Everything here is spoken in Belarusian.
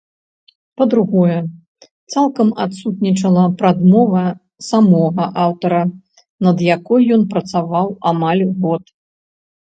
Па-другое, цалкам адсутнічала прадмова самога аўтара, над якой ён працаваў амаль год.